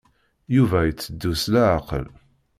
Yuba itteddu s leɛqel.